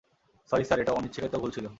Sorry sir, এটা অনিচ্ছাকৃত ভুল ছিল।